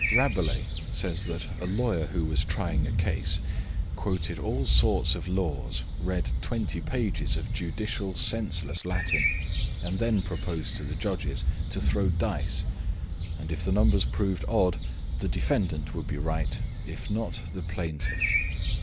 Rabelais says that a lawyer who was trying a case quoted all sorts of laws, read 20 pages of judicial senseless Latin, and then proposed to the judges to throw dice, and if the numbers proved odd the defendant would be right, if not, the plaintiff.